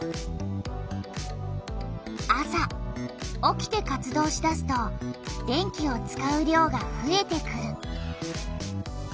朝起きて活動しだすと電気を使う量がふえてくる。